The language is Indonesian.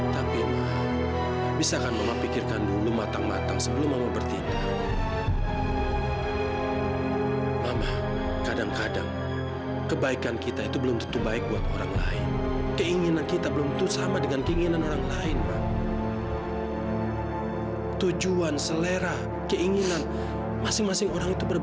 tapi baru saja papa ketemu sama mama dan papa kamu di ruang tunggu